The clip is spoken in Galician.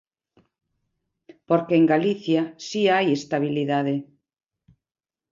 Porque en Galicia si hai estabilidade.